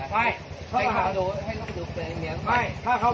ไม่ถ้าเค้ามองบากลิ้วใช้อะไร